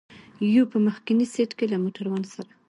یو په مخکني سېټ کې له موټروان سره.